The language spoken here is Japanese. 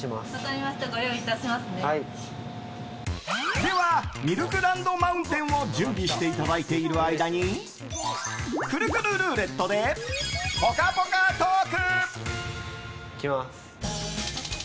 ではミルクランド・マウンテンを準備していただいている間にくるくるルーレットでぽかぽかトーク！